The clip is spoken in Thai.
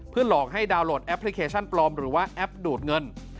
หลอกให้ดาวนโหลดแอปพลิเคชันปลอมหรือว่าแอปดูดเงิน